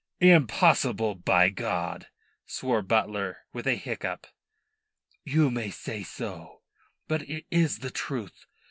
"Impossible, by God," swore Butler, with a hiccup. "You may say so; but it is the truth.